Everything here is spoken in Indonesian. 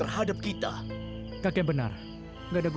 hei jaga bicara loh